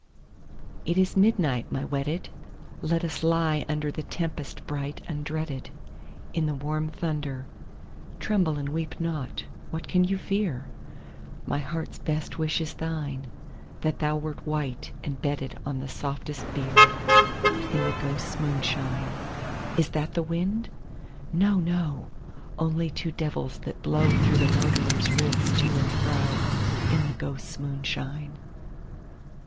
It is midnight, my wedded ; Let us lie under The tempest bright undreaded. In the warm thunder : (Tremble and weep not I What can you fear?) My heart's best wish is thine, — That thou wert white, and bedded On the softest bier. In the ghosts* moonshine. Is that the wind ? No, no ; Only two devils, that blow Through the murderer's ribs to and fro. In the ghosts' moonshine.